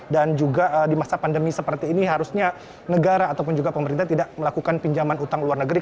dan juga di masa pandemi seperti ini harusnya negara ataupun juga pemerintah tidak melakukan pinjaman hutang luar negeri